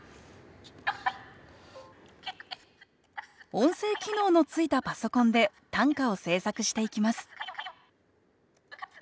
音声機能のついたパソコンで短歌を制作していきます